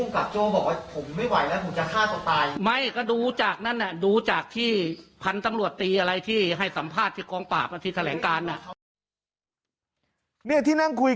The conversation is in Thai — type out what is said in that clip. คือได้ยินผู้กับโจ้บอกว่าผมไม่ไหวแล้วผมจะฆ่าตัวตาย